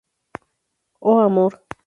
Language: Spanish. Oh Amor!